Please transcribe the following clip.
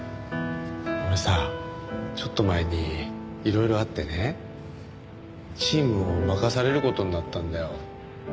俺さちょっと前にいろいろあってねチームを任される事になったんだよ。